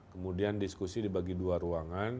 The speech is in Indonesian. kemudian diskusi dibagi dua ruangan